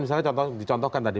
misalnya dicontohkan tadi